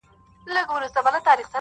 د پردیو ملایانو له آذانه یمه ستړی،